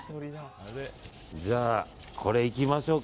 じゃあ、これいきましょうか。